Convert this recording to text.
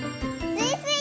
スイスイ！